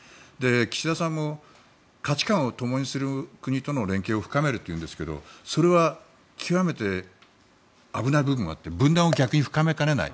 岸田さんも価値観をともにする国との連携を深めるというんですがそれは極めて危ない部分があって分断を逆に深めかねない。